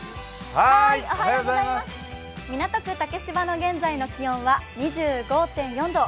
港区竹芝の現在の気温は２５．４度。